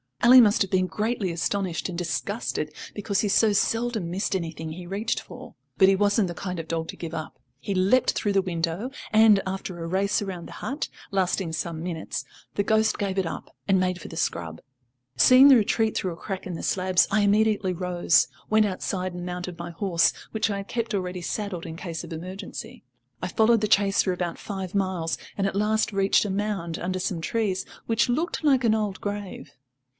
Ally must have been greatly astonished and disgusted, because he so seldom missed anything he reached for. But he wasn't the kind of dog to give up. He leapt through the window, and, after a race round the hut, lasting some minutes, the ghost gave it up, and made for the scrub. Seeing the retreat through a crack in the slabs, I immediately rose, went outside and mounted my horse, which I had kept ready saddled in case of emergency. I followed the chase for about five miles, and at last reached a mound under some trees, which looked like an old grave.